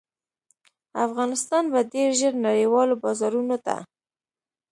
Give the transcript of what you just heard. افغانستان به ډیر ژر نړیوالو بازارونو ته